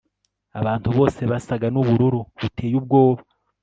Abantu bose basaga nubururu buteye ubwoba